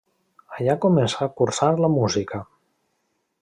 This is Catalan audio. Allà començà a cursar la música.